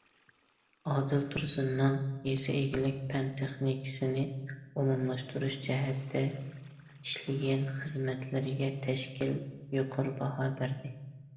ئادىل تۇرسۇننىڭ يېزا ئىگىلىك پەن- تېخنىكىسىنى ئومۇملاشتۇرۇش جەھەتتە ئىشلىگەن خىزمەتلىرىگە تەشكىل يۇقىرى باھا بەردى.